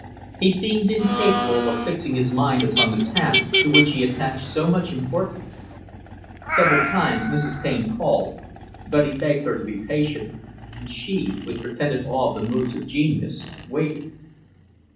He seemed incapable of fixing his mind upon the task to which he attached so much importance. Several times, Mrs. Taine called, but he begged her to be patient; and she, with pretended awe of the moods of genius, waited.